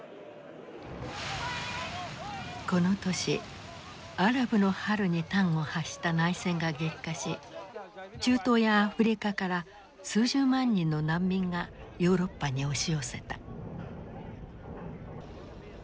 この年アラブの春に端を発した内戦が激化し中東やアフリカから数十万人の難民がヨーロッパに押し寄せた。